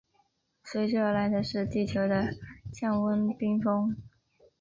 随之而来的是地球的降温冰封。